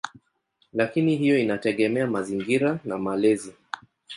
Lakini hiyo inategemea mazingira na malezi.